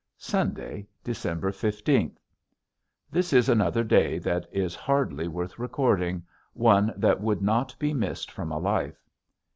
Sunday, December fifteenth. This is another day that is hardly worth recording, one that would not be missed from a life.